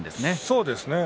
そうですね。